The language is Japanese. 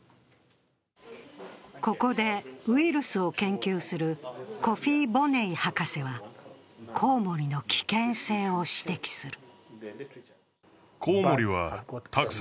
ここでウイルスを研究するコフィ・ボネイ博士はコウモリの危険性を指摘する。